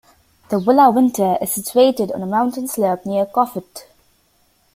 The Villa Winter is situated on a mountain slope near Cofete.